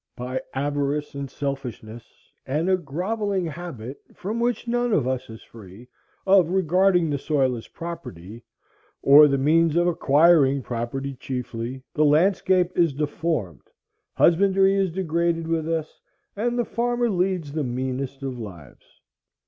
By avarice and selfishness, and a grovelling habit, from which none of us is free, of regarding the soil as property, or the means of acquiring property chiefly, the landscape is deformed, husbandry is degraded with us, and the farmer leads the meanest of lives.